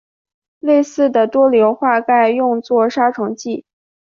类似的多硫化钙用作杀虫剂。